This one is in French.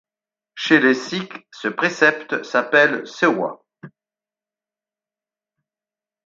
Chez les Sikhs, ce précepte s'appelle sewa.